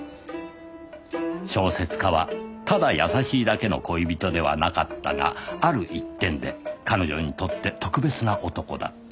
小説家はただ優しいだけの恋人ではなかったがある一点で“彼女”にとって特別な男だった